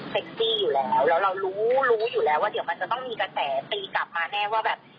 พอมาดูคลิปวนอ่ะรู้สึกแบบ